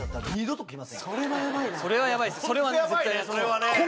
それはね。